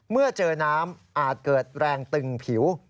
เมื่อเจอน้ำอาจเกิดแรงตึงผิว